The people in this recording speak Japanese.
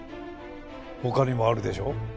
他にもあるでしょう？